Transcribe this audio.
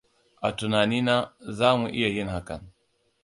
A tunanina za mu iya yin hakan.